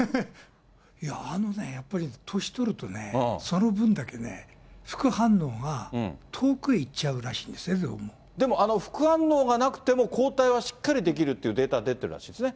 いやー、あのね、年取るとね、その分だけね、副反応が遠くへ行でも副反応がなくても、抗体はしっかり出来るっていうデータ出てるらしいですね。